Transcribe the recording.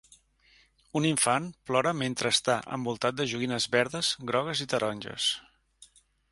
Un infant plora mentre està envoltat de joguines verdes, grogues i taronges.